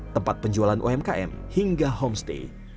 tempat penjualan umkm hingga homestay